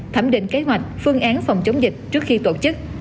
thẩm định kế hoạch phương án phòng chống dịch trước khi tổ chức